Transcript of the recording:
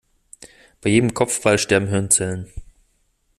Bei jedem Kopfball sterben Hirnzellen.